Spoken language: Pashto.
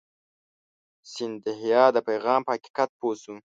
سیندهیا د پیغام په حقیقت پوه شو.